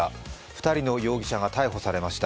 ２人の容疑者が逮捕されました。